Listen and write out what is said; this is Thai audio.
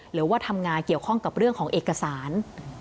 หรือว่าทำงานเกี่ยวข้องกับเรื่องของเอกสาร